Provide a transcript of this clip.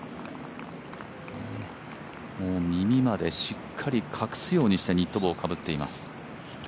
もう耳までしっかり隠すようにしてニット帽をかぶっています。